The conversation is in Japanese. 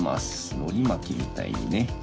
のりまきみたいにね。